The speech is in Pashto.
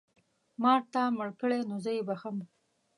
مار تا مړ کړی نو زه یې بښم.